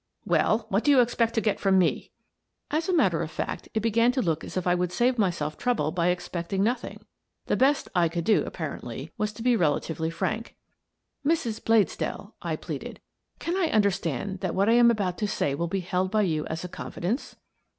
" Well, what do you expect to get from me?" As a matter of fact, it began to look as if I would save myself trouble by expecting nothing. The best I could do, apparently, was to be relatively frank. " Mrs. Bladesdell," I pleaded, " can I understand that what I am about to say will be held by you as a confidence?"